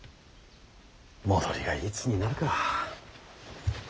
戻りがいつになるか。